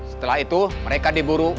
setelah itu mereka diburu